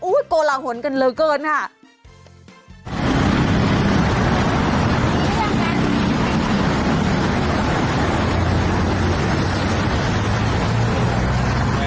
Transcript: อุ้ยโกละหนกันเลยเกินค่ะ